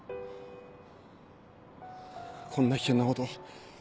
こんな危険なこと